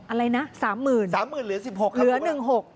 อะไรนะสามหมื่นสามหมื่นเหลือ๑๖เหลือ๑๖